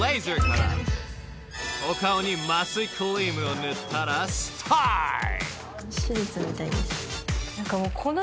［お顔に麻酔クリームを塗ったらスタート］